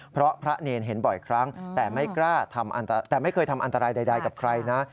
เพราะพระเนรเห็นบ่อยครั้งแต่ไม่เคยทำอันตรายใดกับใครนะ